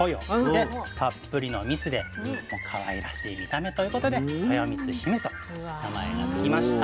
でたっぷりの「蜜」でかわいらしい見た目ということで「とよみつひめ」と名前が付きました。